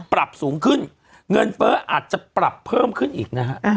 ปรับสูงขึ้นเงินเฟ้ออาจจะปรับเพิ่มขึ้นอีกนะฮะ